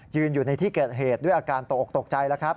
ยืนอยู่ในที่เกิดเหตุด้วยอาการตกใจ